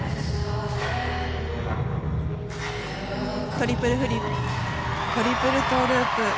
トリプルフリップトリプルトーループ。